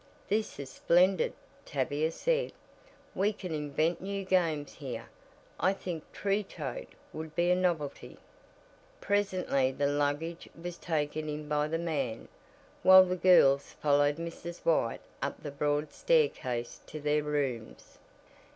"This is splendid," Tavia said. "We can invent new games here. I think 'tree toad' would be a novelty." Presently the luggage was taken in by the man, while the girls followed Mrs. White up the broad staircase to their rooms.